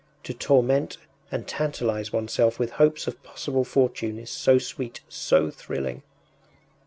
To torment and tantalize oneself with hopes of possible fortune is so sweet, so thrilling!